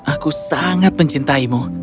aku sangat mencintaimu